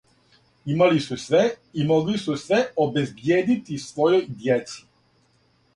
Имали су све и могли су све обезбиједити својој дјеци.